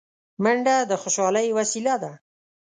منډه د خوشحالۍ وسیله ده